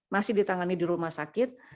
masih ditangani di rumah sakit